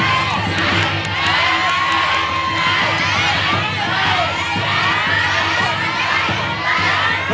ไม่ใช่